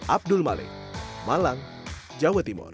abdul malik malang jawa timur